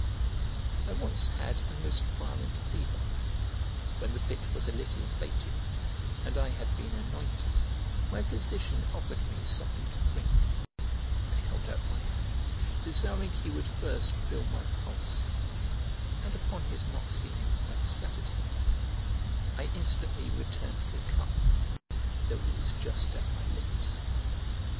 I once had a most violent fever; when the fit was a little abated, and I had been anointed, my physician offered me something to drink; I held out my hand, desiring he would first feel my pulse, and upon his not seeming quite satisfied, I instantly returned the cup, though it was just at my lips.